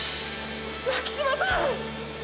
巻島さん！！